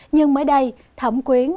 nhưng mới đây thẩm quyến